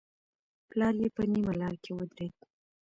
پلار يې په نيمه لاره کې ودرېد.